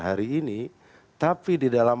hari ini tapi di dalam